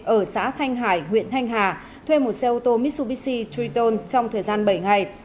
ở xã thanh hải huyện thanh hà thuê một xe ô tô mitsubishi triton trong thời gian bảy ngày